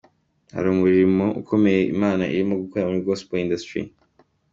Hari umurimo ukomeye Imana irimo gukora muri Gospel industry.